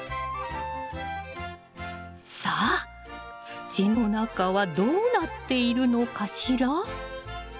さあ土の中はどうなっているのかしら？